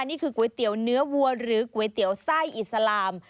นี่คือก๋วยเตี๋ยวเนื้อวัวหรือก๋วยเตี๋ยวไส้อิสลาม